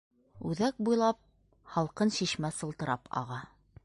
Үҙәк буйлап һалҡын шишмә сылтырап аға.